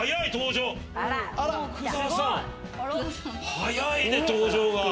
早いね登場が。